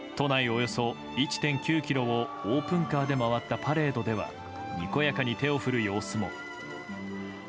およそ１．９ｋｍをオープンカーで回ったパレードではにこやかに手を振る様子も。